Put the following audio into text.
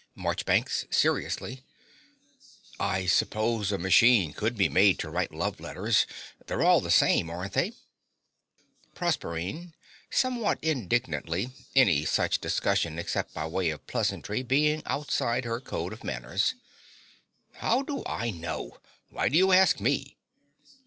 MARCHBANKS (seriously). I suppose a machine could be made to write love letters. They're all the same, aren't they! PROSERPINE (somewhat indignantly: any such discussion, except by way of pleasantry, being outside her code of manners). How do I know? Why do you ask me?